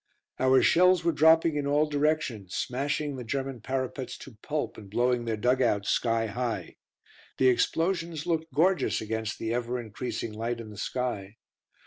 Our shells were dropping in all directions, smashing the German parapets to pulp and blowing their dug outs sky high. The explosions looked gorgeous against the ever increasing light in the sky.